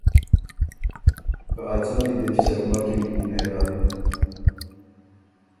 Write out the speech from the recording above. که ا څمی دی بو ݭرمکِن نېله۔